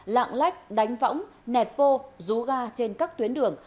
lạng lách đánh võng nẹt bô rú ga trên các tuyến đường